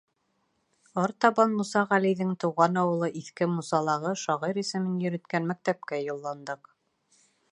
Артабан Муса Ғәлиҙең тыуған ауылы Иҫке Мусалағы шағир исемен йөрөткән мәктәпкә юлландыҡ.